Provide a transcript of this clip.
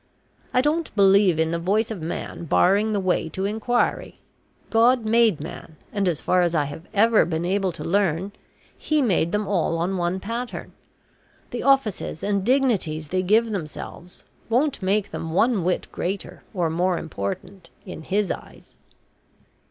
I don't believe in the voice of man barring the way to inquiry. God made man, and, as far as I have ever been able to learn, He made them all on one pattern. The offices and dignities they give themselves won't make them one whit greater or more important in His eyes."